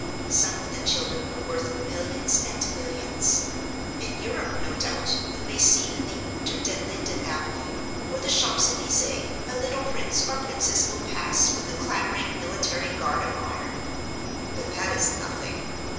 Some of the children are worth millions and millions. In Europe, no doubt, you may see in the Unter den Linden avenue or the Champs Elysees a little prince or princess go past with a clattering military guard of honour. But that is nothing.